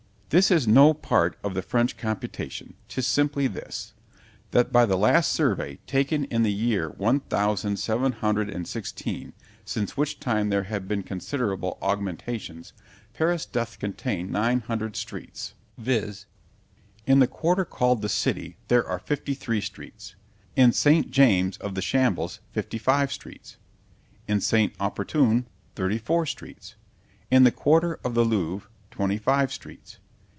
This is no part of the French computation: 'tis simply this, That by the last survey taken in the year one thousand seven hundred and sixteen, since which time there have been considerable augmentations, Paris doth contain nine hundred streets; (viz) In the quarter called the City—there are fifty three streets. In St. James of the Shambles, fifty five streets. In St. Oportune, thirty four streets. In the quarter of the Louvre, twenty five streets.